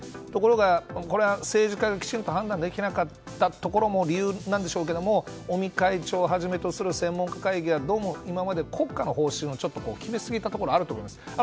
ところがこれを政治家がきちんと判断できなかったところも理由なんでしょうが尾身会長をはじめとする専門家会議は、どうもこれまで国家の方針を決めすぎたところがあると思います。